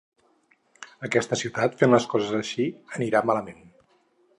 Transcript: Aquesta ciutat fent les coses així anirà malament.